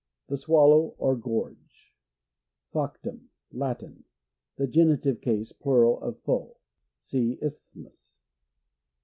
The swallow or gorge. Faucium. — Latin. (The genitive case, plural of faux. (Si e Isthmus.)